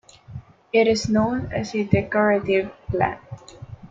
It is known as a decorative plant.